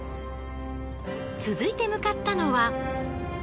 続いて向かったのは。